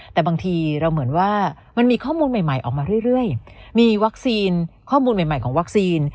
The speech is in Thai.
แต่บางทีเราเหมือนว่ามันมีข้อมูลใหม่ออกมาเรื่อยมีวัคซีนข้อมูลใหม่ของวัคซีน